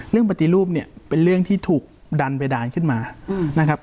ปฏิรูปเนี่ยเป็นเรื่องที่ถูกดันเพดานขึ้นมานะครับ